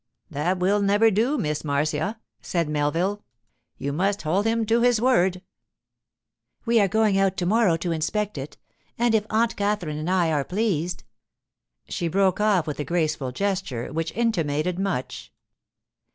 'That will never do, Miss Marcia,' said Melville. 'You must hold him to his word.' 'We are going out to morrow to inspect it, and if Aunt Katherine and I are pleased——' She broke off with a graceful gesture which intimated much.